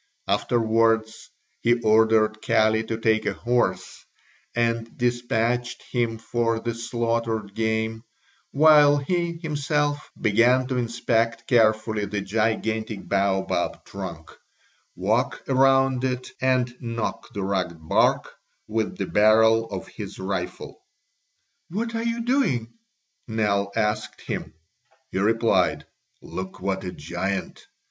Afterwards he ordered Kali to take a horse, and despatched him for the slaughtered game, while he himself began to inspect carefully the gigantic baobab trunk, walk around it, and knock the rugged bark with the barrel of his rifle. "What are you doing?" Nell asked him. He replied: "Look what a giant!